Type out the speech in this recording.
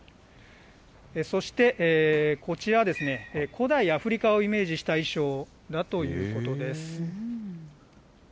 そしてこちらですね、古代アフリカをイメージした衣装だということです。